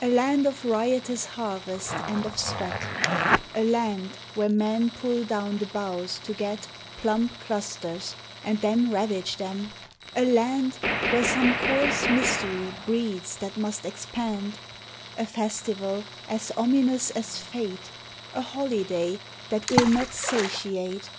ALAND of riotous harvest and of sweat, A land where men pull down the boughs to get Plump clusters and then ravage them, a land Where some coarse mystery breeds that must expand ; A festival as ominous as fate, A holiday that will not satiate.